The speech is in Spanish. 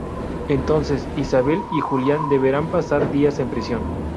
Entonces, Isabel y Julián deberán pasar días en prisión.